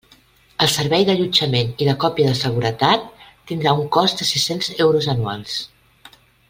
El servei d'allotjament i de còpia de seguretat tindrà un cost de sis-cents euros anuals.